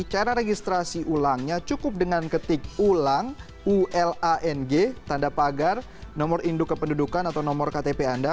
cara registrasi ulangnya cukup dengan ketik ulang ulang tanda pagar nomor induk kependudukan atau nomor ktp anda